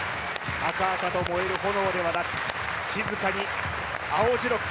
赤々と燃える炎ではなく静かに青白く